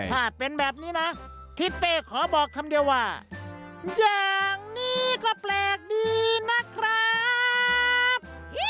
ถ้าเป็นแบบนี้นะทิศเป้ขอบอกคำเดียวว่าอย่างนี้ก็แปลกดีนะครับ